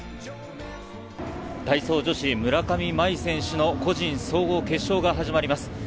体操女子、村上茉愛選手の個人総合決勝が始まります。